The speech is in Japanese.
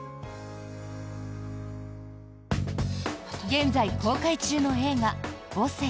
現在公開中の映画「母性」